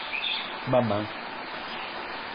ma main.